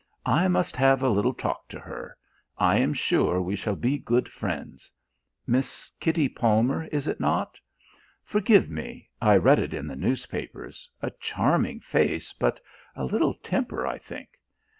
"I must have a little talk to her. I am sure we shall be good friends. Miss Kitty Palmer, is it not? Forgive me, I read it in the newspapers a charming face but a little temper, I think.